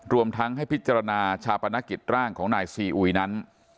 รวมทั้งให้พิจารณาชาปนกิจร่างของนายซีอุยนั้น